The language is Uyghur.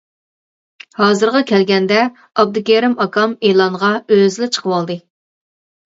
ھازىرغا كەلگەندە ئابدۇكېرىم ئاكام ئېلانغا ئۆزىلا چىقىۋالدى.